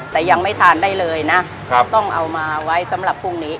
แต่ยังไม่ทานได้เลยนะต้องเอามาไว้สำหรับพรุ่งนี้